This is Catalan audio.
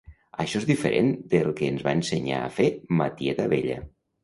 Això és diferent del que ens va ensenyar a fer ma tieta vella.